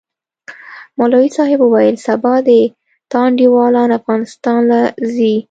مولوي صاحب وويل سبا د تا انډيوالان افغانستان له زي.